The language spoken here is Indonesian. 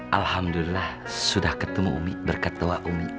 alhamdulillah sudah ketemu umi berketua umi